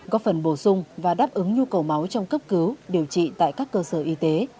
góp phần bổ sung và đáp ứng nhu cầu máu trong cấp cứu điều trị tại các cơ sở y tế